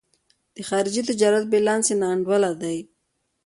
د خارجي تجارت بیلانس یې نا انډوله دی.